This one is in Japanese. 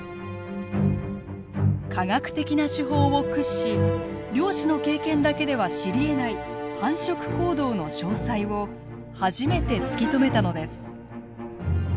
科学的な手法を駆使し漁師の経験だけでは知りえない繁殖行動の詳細を初めて突き止めたのです。